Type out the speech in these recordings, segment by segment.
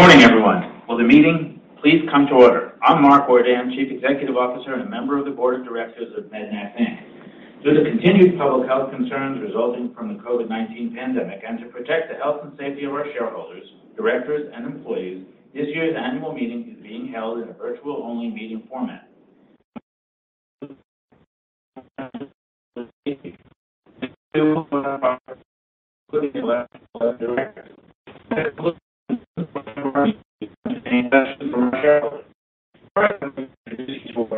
Good morning, everyone. Will the meeting please come to order? I'm Mark Ordan, Chief Executive Officer and a member of the board of directors of Mednax, Inc. Due to continued public health concerns resulting from the COVID-19 pandemic and to protect the health and safety of our shareholders, directors, and employees, this year's annual meeting is being held in a virtual-only meeting format. Vice President and Chief Financial Officer.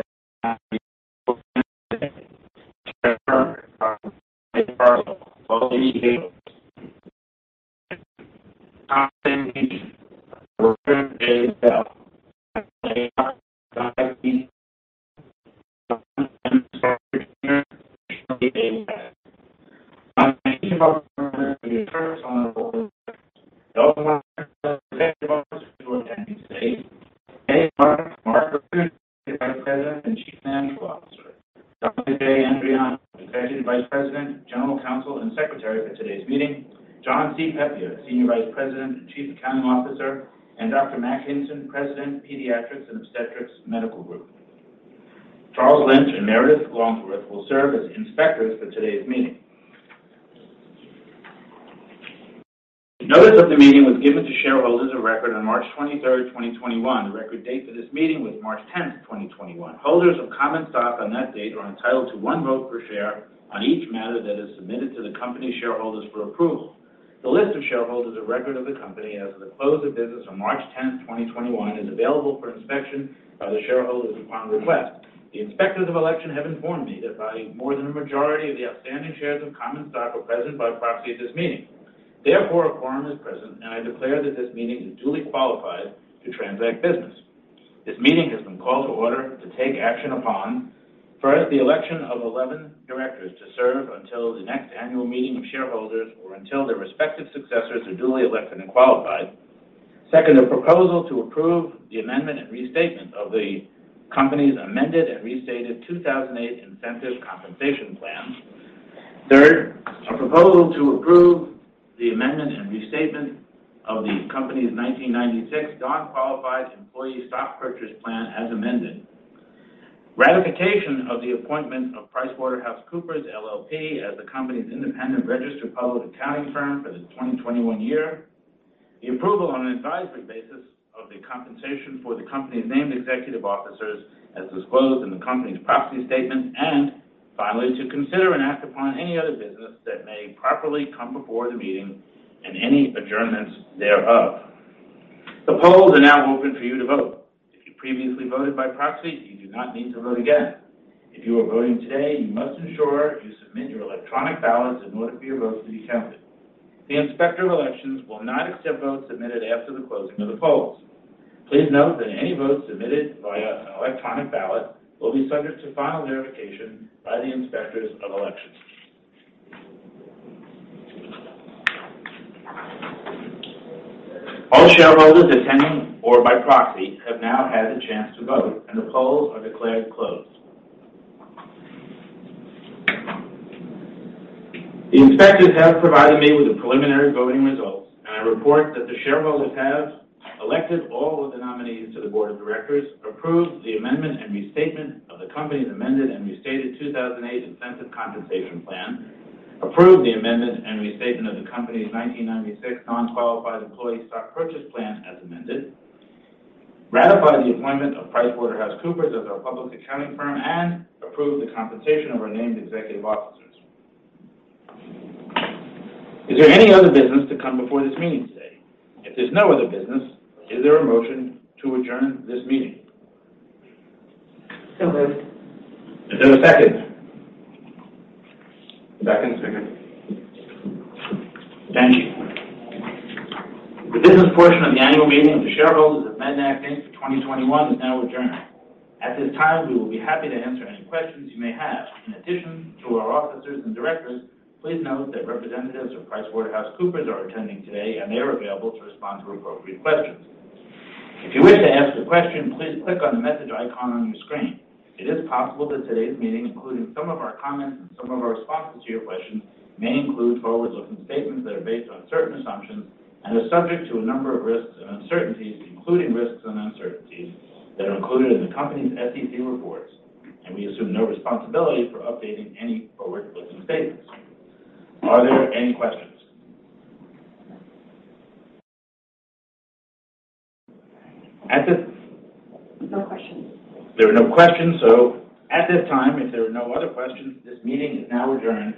Dominic Andreano, Executive Vice President, General Counsel, and Secretary for today's meeting. John C. Pepia, Senior Vice President and Chief Accounting Officer, and Dr. Mack Hinson, President, Pediatrix and Obstetrix Medical Group. Charles Lynch and Meredith Longworth will serve as inspectors for today's meeting. Notice of the meeting was given to shareholders of record on March 23rd, 2021. The record date for this meeting was March 10th, 2021. Holders of common stock on that date are entitled to one vote per share on each matter that is submitted to the company shareholders for approval. The list of shareholders of record of the company as of the close of business on March 10th, 2021, is available for inspection by the shareholders upon request. The inspectors of election have informed me that by more than a majority of the outstanding shares of common stock are present by proxy at this meeting. Therefore, a quorum is present, and I declare that this meeting is duly qualified to transact business. This meeting has been called to order to take action upon, first, the election of 11 directors to serve until the next annual meeting of shareholders or until their respective successors are duly elected and qualified. Second, a proposal to approve the amendment and restatement of the company's Amended and Restated 2008 Incentive Compensation Plan. Third, a proposal to approve the amendment and restatement of the company's 1996 Non-Qualified Employee Stock Purchase Plan as amended. Ratification of the appointment of PricewaterhouseCoopers, LLP as the company's independent registered public accounting firm for the 2021 year. The approval on an advisory basis of the compensation for the company's named executive officers as disclosed in the company's proxy statement. Finally, to consider and act upon any other business that may properly come before the meeting and any adjournments thereof. The polls are now open for you to vote. If you previously voted by proxy, you do not need to vote again. If you are voting today, you must ensure you submit your electronic ballots in order for your vote to be counted. The inspector of elections will not accept votes submitted after the closing of the polls. Please note that any votes submitted via an electronic ballot will be subject to final verification by the inspectors of elections. All shareholders attending or by proxy have now had the chance to vote, and the polls are declared closed. Inspector have provided me with a preliminary voting result. I report that the shareholders have elected all of the nominees to the board of directors, approved the amendment and restatement of the company's Amended and Restated 2008 Incentive Compensation Plan, approved the amendment and restatement of the company's 1996 Non-Qualified Employee Stock Purchase Plan as amended, ratified the appointment of PricewaterhouseCoopers as our public accounting firm, and approved the compensation of our named executive officers. Is there any other business to come before this meeting today? If there's no other business, is there a motion to adjourn this meeting? Moved. Is there a second? Second. Thank you. The business portion of the annual meeting of the shareholders of Mednax, Inc. for 2021 is now adjourned. At this time, we will be happy to answer any questions you may have. In addition to our officers and directors, please note that representatives of PricewaterhouseCoopers, LLP are attending today, and they are available to respond to appropriate questions. If you wish to ask a question, please click on the message icon on your screen. It is possible that today's meeting, including some of our comments and some of our responses to your questions, may include forward-looking statements that are based on certain assumptions and are subject to a number of risks and uncertainties, including risks and uncertainties that are included in the company's SEC reports. We assume no responsibility for updating any forward-looking statements. Are there any questions? No questions. There are no questions. At this time, if there are no other questions, this meeting is now adjourned.